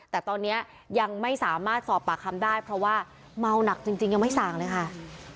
แต่ตอนนี้ยังไม่สามารถสอบปากคำได้เพราะว่าเมาหนักจริงยังไม่สั่งเลยค่ะ